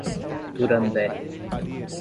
Durandé